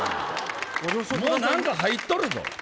もうなんか入っとるぞ。